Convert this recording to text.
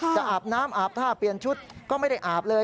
อาบน้ำอาบท่าเปลี่ยนชุดก็ไม่ได้อาบเลย